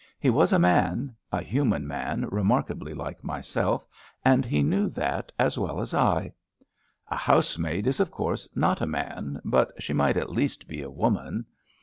He was a man — a human man remarkably like myself, and he knew that as well as I. A housemaid is of course not a man, but she might at least be a woman.